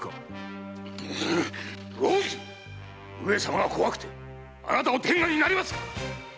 上様が怖くてあなたの天下になりますか